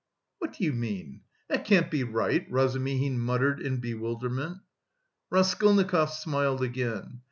"What do you mean? That can't be right?" Razumihin muttered in bewilderment. Raskolnikov smiled again.